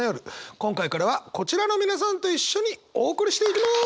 今回からはこちらの皆さんと一緒にお送りしていきます！